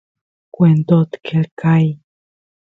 kwentot qelqay